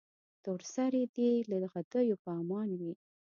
تور سرې دې له غدیو په امان وي.